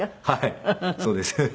はいそうです。